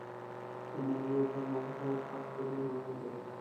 د موضوعي تنوع حق په دې مانا دی.